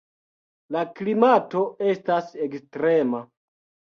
La klimato estas ekstrema.